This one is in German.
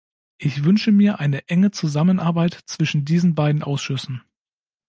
Ich wünsche mir eine enge Zusammenarbeit zwischen diesen beiden Ausschüssen.